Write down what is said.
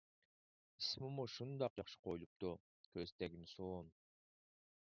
ئىسمىمۇ شۇنداق ياخشى قويۇلۇپتۇ، كۆز تەگمىسۇن!